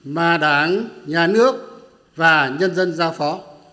mà đảng nhà nước và nhân dân giao phó